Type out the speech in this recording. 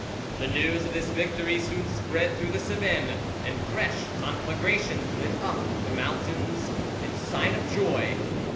The news of this victory soon spread through the Cevennes, and fresh conflagrations lit up the mountains in sign of joy.